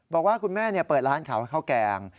บอกว่าคุณแม่เปิดร้านขายข้าวแกง